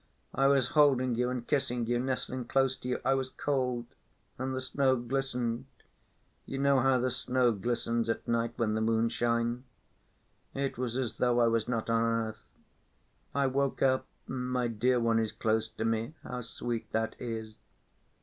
I was holding you and kissing you, nestling close to you. I was cold, and the snow glistened.... You know how the snow glistens at night when the moon shines. It was as though I was not on earth. I woke up, and my dear one is close to me. How sweet that is!..."